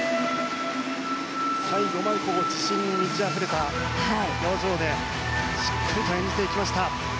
最後まで自信に満ちあふれた表情でしっかりと演じていきました。